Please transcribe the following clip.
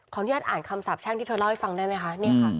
อนุญาตอ่านคำสาบแช่งที่เธอเล่าให้ฟังได้ไหมคะ